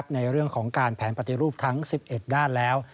ในเรื่องของการแผนปฏิรูปทั้ง๑๑ด้านแล้ว